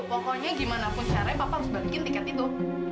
pokoknya gimana pun caranya papa harus balikin tiket itu